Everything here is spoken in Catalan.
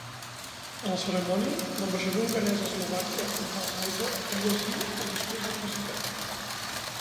A la cerimònia, l'ambaixador hongarès a Eslovàquia Antal Heizer va llegir el discurs del president.